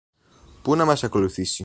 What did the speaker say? Πού να μας ακολουθήσει;